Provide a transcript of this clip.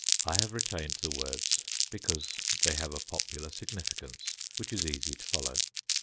I have retained the words because they have a popular significance which is easy to follow.